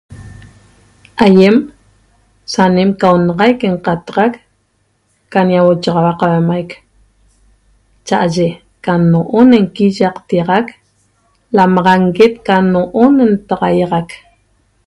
Aýem sanem ca onaxaic nqataxac ca ñauochaxaua qauemaic cha'aye ca no'on nquiyaqteýaxac lamaxanguit ca no'on ntaxaýaxac